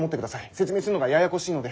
説明するのがややこしいので。